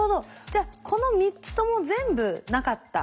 じゃあこの３つとも全部なかった。